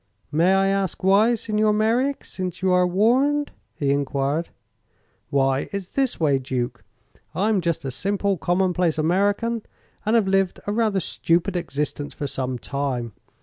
"May I ask why, Signor Merreek since you are warned?" he enquired. "Why, it's this way, Duke. I'm just a simple, common place American, and have lived a rather stupid existence for some time.